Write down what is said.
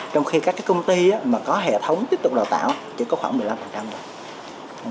trong khi các công ty mà có hệ thống tiếp tục đào tạo chỉ có khoảng một mươi năm thôi